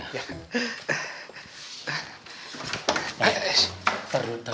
eh teru teru